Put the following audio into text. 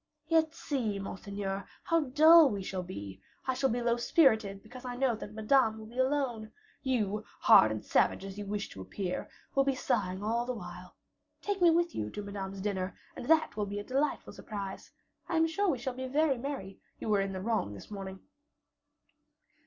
"Yet see, monseigneur, how dull we shall be; I shall be low spirited because I know that Madame will be alone; you, hard and savage as you wish to appear, will be sighing all the while. Take me with you to Madame's dinner, and that will be a delightful surprise. I am sure we shall be very merry; you were in the wrong this morning."